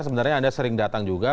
sebenarnya anda sering datang juga